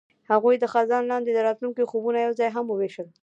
هغوی د خزان لاندې د راتلونکي خوبونه یوځای هم وویشل.